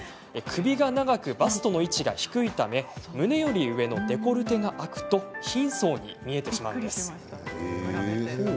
首が長くバスト位置が低いため胸より上のデコルテが開くと貧相に見えてしまうんです。